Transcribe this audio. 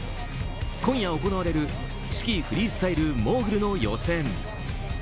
今夜行われるスキーフリースタイルモーグルの予選。